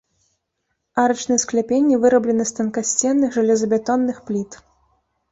Арачныя скляпенні выраблены з танкасценных жалезабетонных пліт.